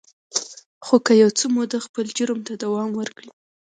خو که یو څه موده خپل جرم ته دوام ورکړي